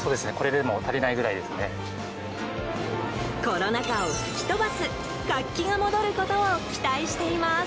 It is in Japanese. コロナ禍を吹き飛ばす活気が戻ることを期待しています。